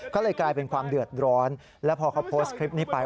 ก็เลยกลายเป็นความเดือดร้อนแล้วพอเขาโพสต์คลิปนี้ไป